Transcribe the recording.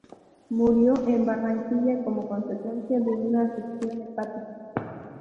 Murió en Barranquilla como consecuencia de una afección hepática.